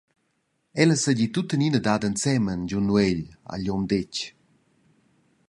Ella seigi tuttenina dada ensemen giun nuegl, ha igl um detg.